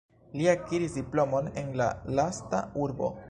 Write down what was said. Li akiris diplomon en la lasta urbo.